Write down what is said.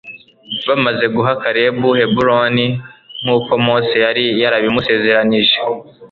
bamaze guha kalebu heburoni nk'uko mose yari yarabimusezeranyije